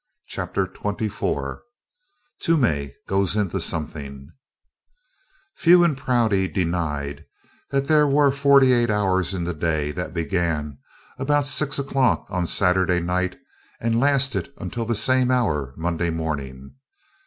CHAPTER XXIV TOOMEY GOES INTO SOMETHING Few in Prouty denied that there were forty eight hours in the day that began about six o'clock on Saturday night and lasted until the same hour Monday morning.